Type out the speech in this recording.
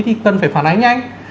thì cần phải phản ánh nhanh